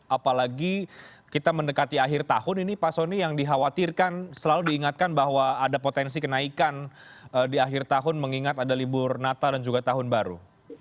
apalagi kita mendekati akhir tahun ini pak soni yang dikhawatirkan selalu diingatkan bahwa ada potensi kenaikan di akhir tahun mengingat ada libur natal dan juga tahun baru